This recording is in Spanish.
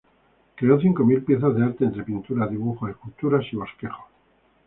Creó cinco mil piezas de arte, entre pinturas, dibujos, esculturas y bosquejos.